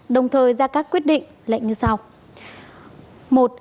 đồng thời ra các quyết định lệnh như sau